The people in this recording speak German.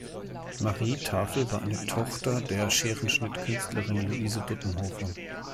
Marie Tafel war eine Tochter der Scherenschnitt-Künstlerin Luise Duttenhofer.